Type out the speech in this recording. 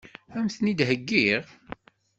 Ad m-ten-id-heggiɣ?